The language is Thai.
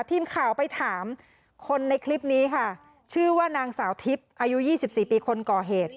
ทีมข่าวไปถามคนในคลิปนี้ค่ะชื่อว่านางสาวทิพย์อายุ๒๔ปีคนก่อเหตุ